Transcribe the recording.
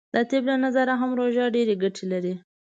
د طب له نظره هم روژه ډیرې ګټې لری .